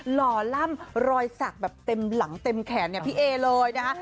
หล่อล่ำรอยสักแบบเต็มหลังเต็มแขนเนี่ยพี่เอเลยนะคะ